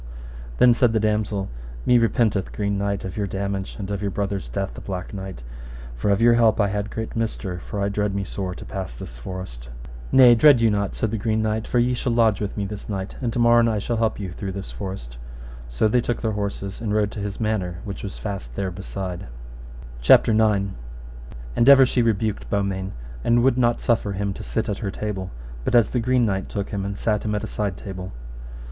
Then said the damosel, Me repenteth, Green Knight, of your damage, and of your brother's death, the Black Knight, for of your help I had great mister, for I dread me sore to pass this forest. Nay, dread you not, said the Green Knight, for ye shall lodge with me this night, and to morn I shall help you through this forest. So they took their horses and rode to his manor, which was fast there beside. CHAPTER IX. How the damosel again rebuked Beaumains, and would not suffer him to sit at her table, but called him kitchen boy. And ever she rebuked Beaumains, and would not suffer him to sit at her table, but as the Green Knight took him and sat him at a side table.